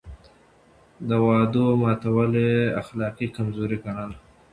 د وعدو ماتول يې اخلاقي کمزوري ګڼله.